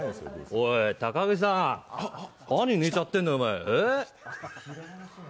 おい、高木さん、何寝ちゃってんだよ、お前。